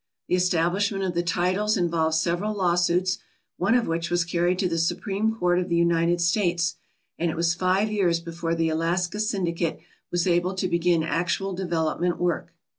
The establishment of the titles in volved several lawsuits, one of which was carried to the Supreme Court of the United States, and it was five years before the Alaska Syndicate was able to begin actual de velopment work.